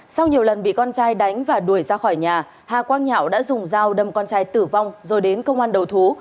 sau nhiều lần bị con trai đánh và đuổi ra khỏi nhà hà quang nhạo đã dùng dao đâm con trai tử vong rồi đến công an đầu thú